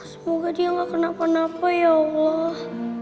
semoga dia gak kena panapa ya allah